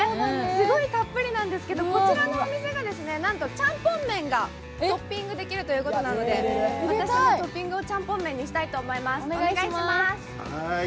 すごいたっぷりなんですけど、こちらのお店、ちゃんぽん麺がトッピングできるということで私もトッピングをちゃんぽん麺にしたいと思います。